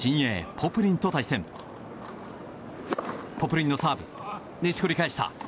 ポプリンのサーブ錦織、返した。